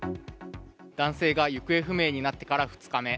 男性が行方不明になってから２日目。